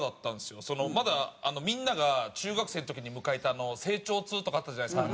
まだみんなが中学生の時に迎えた成長痛とかあったじゃないですか。